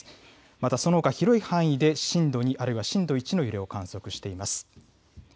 またそのほか広い範囲で震度２、あるいは震度１の揺れを観測しています。